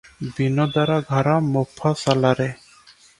ବିନୋଦର ଘର ମୋଫସଲରେ ।